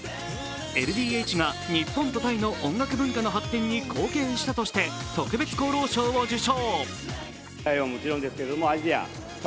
ＬＤＨが日本とタイの音楽文化に貢献したとして特別功労賞を受賞。